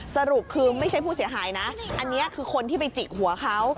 สรุปคือไม่ใช่ผู้เสียหายนะอันนี้คือคนที่ไปจิกหัวเขา